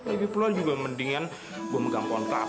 eh lebih pulang juga mendingan gue megang kontrakan